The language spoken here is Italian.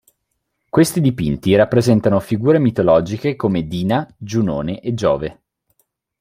Questi dipinti rappresentano figure mitologiche come Dina, Giunone e Giove.